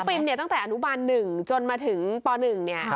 คือน้องปริมตั้งแต่อนุบัน๑จนมาถึงป๑นี่